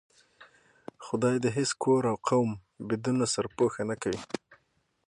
خدا دې هېڅ کور او قوم بدون له سرپوښه نه کوي.